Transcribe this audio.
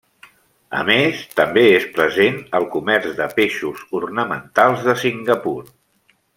A més, també és present al comerç de peixos ornamentals de Singapur.